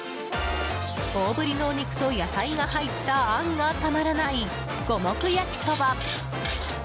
大ぶりのお肉と野菜が入ったあんがたまらない、五目焼きそば。